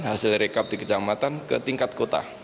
hasil rekap di kecamatan ke tingkat kota